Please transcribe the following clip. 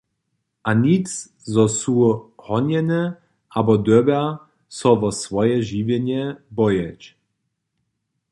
A nic zo su honjene abo dyrbja so wo swoje žiwjenje bojeć.